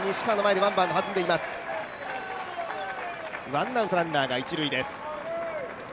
ワンアウト、ランナーが一塁です。